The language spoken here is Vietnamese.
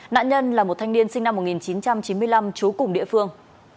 nạn nhân là một thanh niên sinh năm một nghìn chín trăm chín mươi năm trú cùng địa phương